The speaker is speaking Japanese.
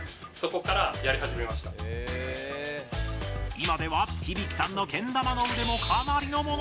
今では響さんのけん玉の腕もかなりのもの！